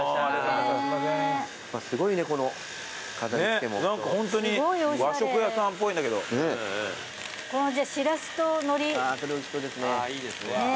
あぁいいですね。